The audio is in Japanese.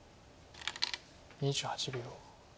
２８秒。